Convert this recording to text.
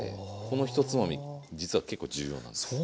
この１つまみ実は結構重要なんですよ。